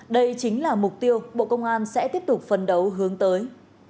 đây chính là mục tiêu bộ công an sẽ tiếp tục phấn đấu hướng tới